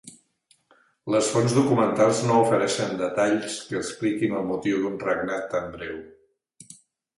Les fonts documentals no ofereixen detalls que expliquin el motiu d'un regnat tan breu.